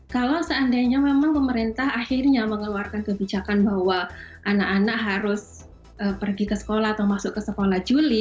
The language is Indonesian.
kalau seandainya memang pemerintah akhirnya mengeluarkan kebijakan bahwa anak anak harus pergi ke sekolah atau masuk ke sekolah juli